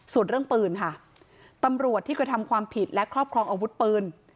ส่วนเรื่องปืนค่ะตำรวจที่กระทำความผิดและครอบครองอาวุธปืน